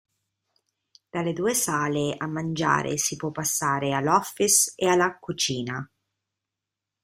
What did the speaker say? Dalle due sale a mangiare si può passare all’office e a la cucina.